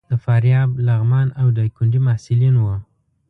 د فاریاب، لغمان او ډایکنډي محصلین وو.